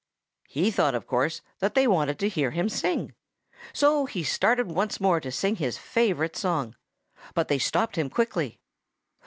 He thought, of course, that they wanted to hear him sing. So he started once more to sing his favorite song. But they stopped him quickly.